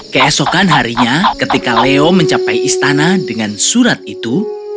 keesokan harinya ketika leo mencapai istana dengan surat itu